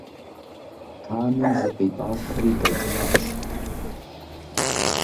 Танэм зыкъитӀатэри дэкӀащ.